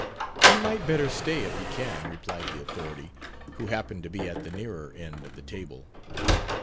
"He might better stay if he can," replied the authority, who happened to be at the nearer end of the table.